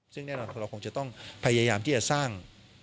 ซึ่งแน่นอนเราคงจะต้องพยายามที่จะสร้าง